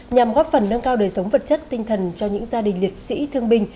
nhằm góp phần nâng cao đời sống vật chất tinh thần cho những gia đình liệt sĩ thương binh